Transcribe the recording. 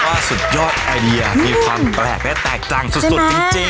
สุดยอดไอเดียมีความแปลกและแตกต่างสุดจริง